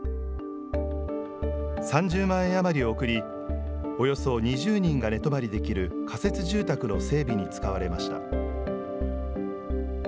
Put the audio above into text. ３０万円余りを送り、およそ２０人が寝泊まりできる仮設住宅の整備に使われました。